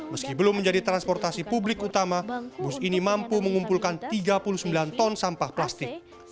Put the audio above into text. meski belum menjadi transportasi publik utama bus ini mampu mengumpulkan tiga puluh sembilan ton sampah plastik